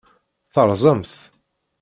Terẓam-t.